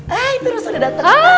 hai terus udah dateng